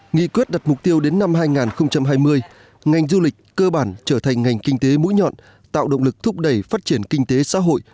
nghị quyết đặt mục tiêu đến năm hai nghìn hai mươi ngành du lịch cơ bản trở thành ngành kinh tế mũi nhọn tạo động lực thúc đẩy phát triển kinh tế xã hội